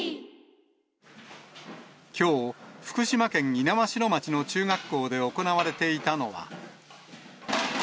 きょう、福島県猪苗代町の中学校で行われていたのは。